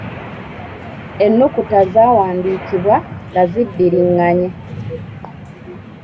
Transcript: Ennukuta zaawandiikibwa nga ziddiringanye.